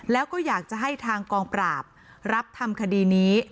แล้วก็อยากจะให้ทางกองปราบรับทำคดีนี้